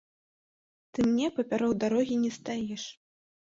Ты мне папярок дарогі не стаіш.